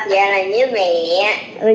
dạ là nhớ mẹ